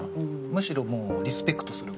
むしろもうリスペクトする。